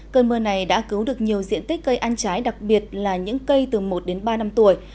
cơn mưa này đã cứu được nhiều diện tích cây ăn trái đặc biệt là những cây từ một đến ba năm tuổi